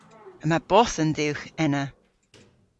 Yma bothen dhywgh ena.